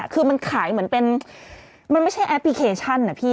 คือมันขายเหมือนเป็นมันไม่ใช่แอปพลิเคชันนะพี่